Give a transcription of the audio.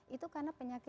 itu karena penyakit